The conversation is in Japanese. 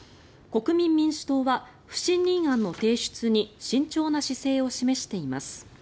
国民民主党は不信任案の提出に慎重な姿勢を示しています。